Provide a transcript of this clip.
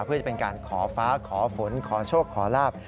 เพื่อจะเป็นการขอฟ้าขอฝนขอโชคขอลาบ